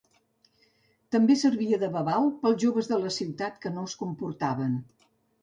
També servia de babau pels joves de la ciutat que no es comportaven.